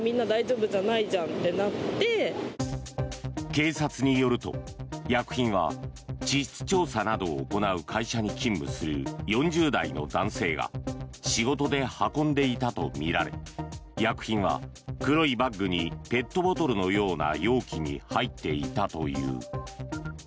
警察によると、薬品は地質調査などを行う会社に勤務する４０代の男性が仕事で運んでいたとみられ薬品は黒いバッグにペットボトルのような容器に入っていたという。